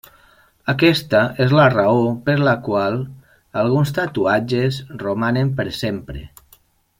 Aquesta és la raó per la qual alguns tatuatges romanen per sempre.